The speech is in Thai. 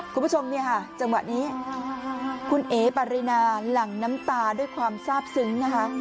คุณผู้ชมจังหวะนี้คุณเอ๊ะปารินาหลั่งน้ำตาด้วยความทราบซึ้ง